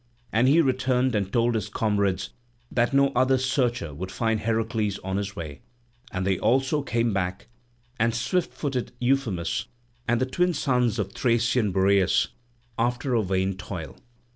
And he returned and told his comrades that no other searcher would find Heracles on his way, and they also came back, and swift footed Euphemus and the twin sons of Thracian Boreas, after a vain toil.